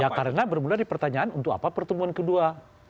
ya karena bermula di pertanyaan untuk apa pertemuan kedua